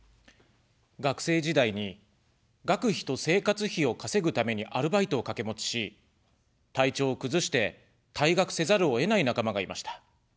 学生時代に、学費と生活費を稼ぐためにアルバイトをかけ持ちし、体調を崩して、退学せざるを得ない仲間がいました。